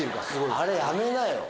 あれやめなよ。